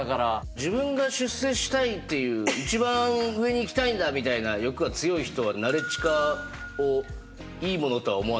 自分が出世したいっていう一番上に行きたいんだみたいな欲が強い人はナレッジ化をいいものとは思わないっすよね？